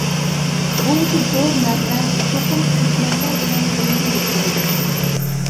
بۇنچە زور مەبلەغ چوقۇم كۆچمەنلەر بىلەن بىرگە يۆتكىلىدۇ.